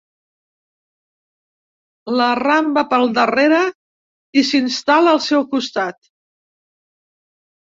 L'arramba pel darrere i s'instal·la al seu costat.